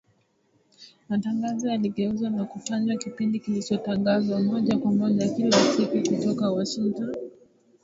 matangazo yaligeuzwa na kufanywa kipindi kilichotangazwa moja kwa moja kila siku kutoka Washington